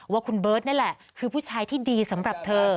ว่าคุณเบิร์ตนั่นแหละคือผู้ชายที่ดีสำหรับเธอ